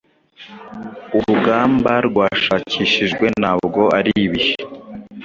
Urugamba rwashakishijwe ntabwo ari ibihe